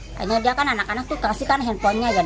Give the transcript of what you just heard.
kayaknya dia kan anak anak tuh kasih kan handphonenya kan